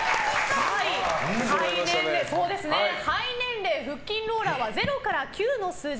肺年齢、腹筋ローラーは０から９の数字